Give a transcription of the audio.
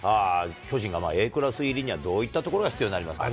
巨人がＡクラス入りには、どういったところが必要になりますか。